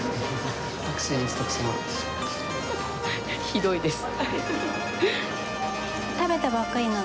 ひどいです。